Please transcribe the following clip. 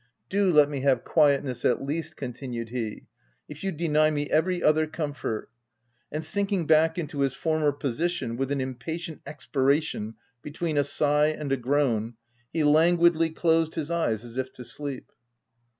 " Do let me have quietness at least !" con tinued he, " if you deny me every other com fort," and sinking back into his former posi tion, with an impatient expiration between a sigh and a groan, he languidly closed his eyes as if to sleep.